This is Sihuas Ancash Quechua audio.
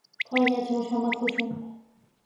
Kayllatraw samakushun.